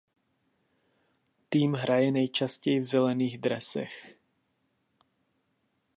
Tým hraje nejčastěji v zelených dresech.